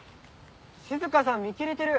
静さん見切れてる。